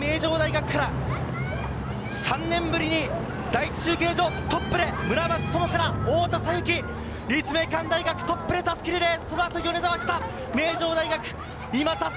女王・名城大学から３年ぶりに第１中継所、トップで村松灯から太田咲雪、立命館大学トップで襷リレー。